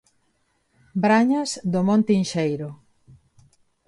Brañas do Monte Inxeiro.